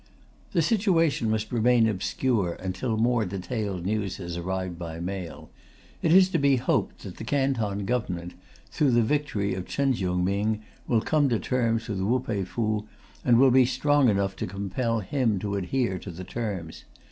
The situation must remain obscure until more detailed news has arrived by mail. It is to be hoped that the Canton Government, through the victory of Chen Chiung Ming, will come to terms with Wu Pei Fu, and will be strong enough to compel him to adhere to the terms.